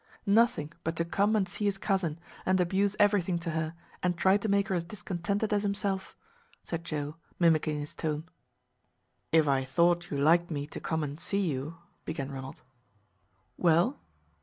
"Nothing, but to come and see his cousin, and abuse everything to her, and try to make her as discontented as himself," said Joe, mimicking his tone. "If I thought you liked me to come and see you" began Ronald. "Well?"